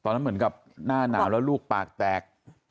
เหมือนกับหน้าหนาวแล้วลูกปากแตก